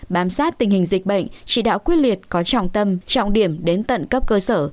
bám sát tình hình dịch bệnh chỉ đạo quyết liệt có trọng tâm trọng điểm đến tận cấp cơ sở